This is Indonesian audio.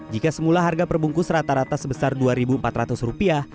jika semula harga perbungkus rata rata sebesar dua empat ratus rupiah